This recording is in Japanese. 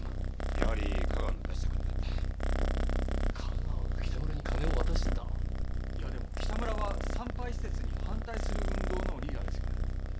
やはり香川の出した金だった香川が北村に金を渡してた⁉いやでも北村は産廃施設に反対する運動のリーダーですよね？